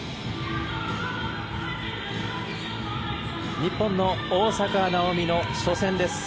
日本の大坂なおみの初戦です。